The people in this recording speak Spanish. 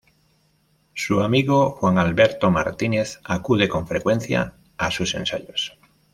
Su amigo Juan Alberto Martínez acude con frecuencia a sus ensayos.